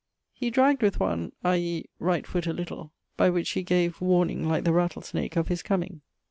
He dragg'd with one (i.e. right) foot a little, by which he gave warning (like the rattlesnake) of his comeing.